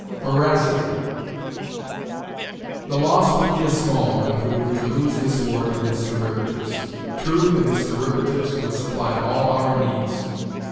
VERACITY. The loss would be a small one if we were to lose this word and its derivatives. Truth and its derivatives would supply all our needs.